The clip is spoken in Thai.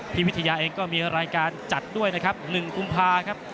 วิทยาเองก็มีรายการจัดด้วยนะครับ๑กุมภาครับ